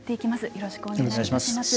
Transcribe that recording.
よろしくお願いします。